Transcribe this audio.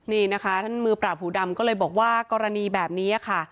นี่นะคะท่านมือปราบหูดำก็เลยบอกว่ากรณีแบบนี้ค่ะ